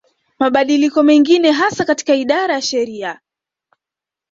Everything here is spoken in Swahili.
Mabadiliko mengine hasa katika idara ya sheria